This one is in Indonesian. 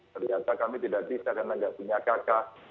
ternyata kami tidak bisa karena nggak punya kakak